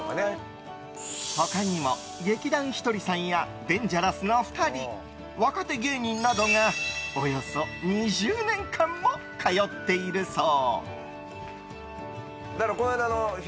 他にも劇団ひとりさんやデンジャラスの２人若手芸人などがおよそ２０年間も通っているそう。